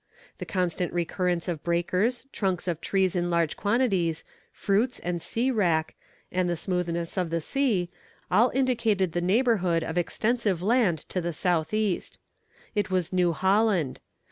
The constant recurrence of breakers, trunks of trees in large quantities, fruits and sea wrack, and the smoothness of the sea, all indicated the neighbourhood of extensive land to the south east. It was New Holland.